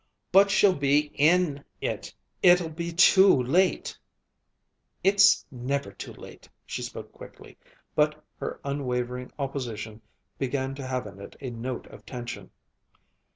"But she'll be in it it'll be too late " "It's never too late." She spoke quickly, but her unwavering opposition began to have in it a note of tension.